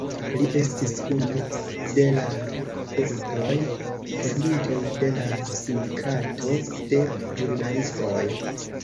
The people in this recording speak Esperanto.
Li estis unu de la kurdoj fondintoj de la Sindikato de Ĵurnalistoj.